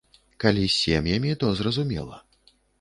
Калі з сем'ямі, то зразумела.